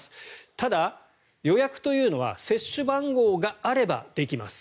ただ、予約というのは接種番号があればできます。